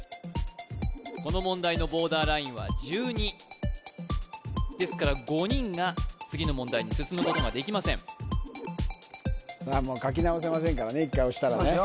この問題のボーダーラインは１２ですから５人が次の問題に進むことができません書き直せませんからね１回押したらね